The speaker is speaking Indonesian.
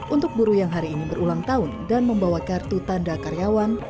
untuk buruh yang hari ini berulang tahun dan membawa kartu tanda karyawan